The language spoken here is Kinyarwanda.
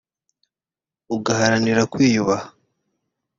Ugaharanira kwiyubaha